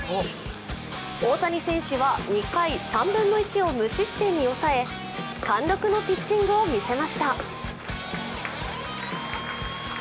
大谷選手は２回３分の１を無失点に抑え貫禄のピッチングを見せました。